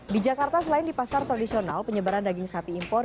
di jakarta selain di pasar tradisional penyebaran daging sapi impor